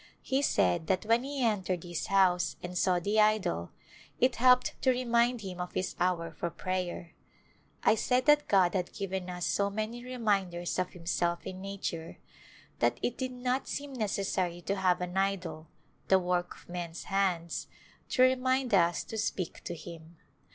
He said that when he entered his house and saw the idol it helped to remind him of his hour for prayer. I said that God had given us so many reminders of Himself in nature that it did not seem necessary to have an idol, the work of men's hands, to remind us to speak to Him.